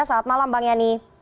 selamat malam bang yani